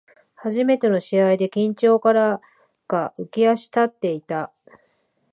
初めての試合で緊張からか浮き足立っていた